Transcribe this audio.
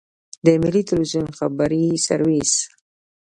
د ملي ټلویزیون خبري سرویس.